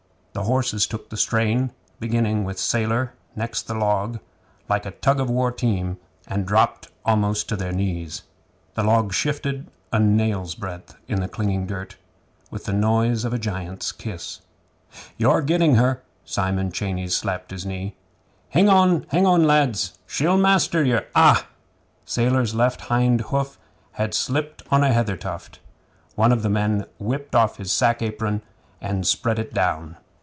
The horses took the strain, beginning with Sailor next the log, like a tug of war team, and dropped almost to their knees. The log shifted a nail's breadth in the clinging dirt, with the noise of a giant's kiss. 'You're getting her!' Simon Cheyneys slapped his knee. 'Hing on! Hing on, lads, or she'll master ye! Ah!' Sailor's left hind hoof had slipped on a heather tuft. One of the men whipped off his sack apron and spread it down.